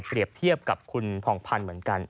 เปรียบเทียบกับคุณผ่องพันธุ์เหมือนกัน